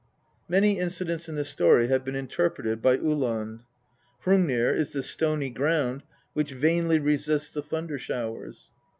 Many incidents in this story have been interpreted by Uhland. Hrungnir is the stony ground which vainly resists the thunder showers.